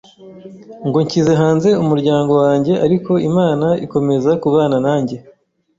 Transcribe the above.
ngo nshyize hanze umuryango wanjye ariko Imana ikomeza kubana nanjye